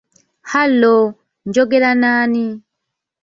"Halo, njogerako n'ani?